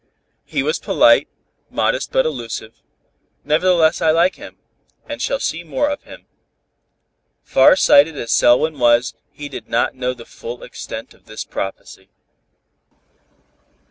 He was polite, modest but elusive, nevertheless, I like him, and shall see more of him." Far sighted as Selwyn was, he did not know the full extent of this prophecy.